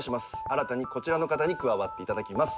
新たにこちらの方に加わっていただきます。